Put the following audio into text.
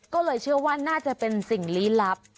ก็เลยเชื่อว่าน่าจะเป็นสิ่งลี้ลับ